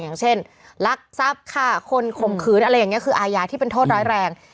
อย่างเช่นลักทรัพย์ฆ่าคนข่มขืนอะไรอย่างนี้คืออาญาที่เป็นโทษร้ายแรง